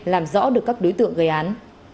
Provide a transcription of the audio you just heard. làm rõ được các đối tượng gây án